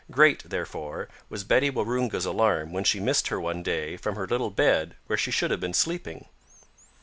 Great, therefore, was Betsy Waroonga's alarm when she missed her one day from her little bed where she should have been sleeping.